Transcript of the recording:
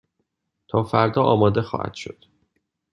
تا فردا آماده خواهد شد.